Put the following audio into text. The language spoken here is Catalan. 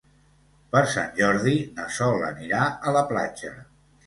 Per Sant Jordi na Sol anirà a la platja.